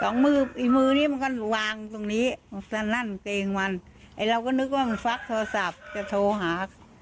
นึกกลัวแล้วสิคุณทัก